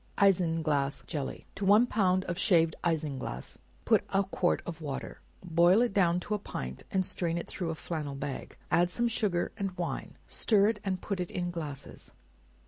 Isinglass Jelly. To one ounce of shaved isinglass, put a quart of water; boil it down, to a pint, and strain it through a flannel bag; add some sugar and wine; stir it and put it in glasses.